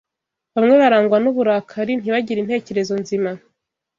bamwe barangwa n’uburakari, ntibagire intekerezo nzima